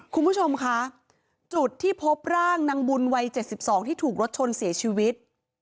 คุณผู้ชมคะจุดที่พบร่างนางบุญวัย๗๒ที่ถูกรถชนเสียชีวิต